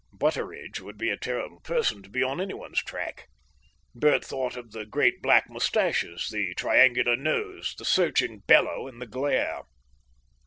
Butteridge would be a terrible person to be on any one's track. Bert thought of the great black moustaches, the triangular nose, the searching bellow and the glare.